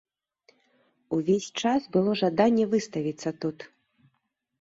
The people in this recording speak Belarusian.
Увесь час было жаданне выставіцца тут.